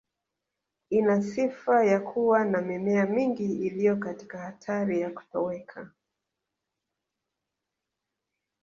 Ina sifa ya kuwa na mimea mingi iliyo katika hatari ya kutoweka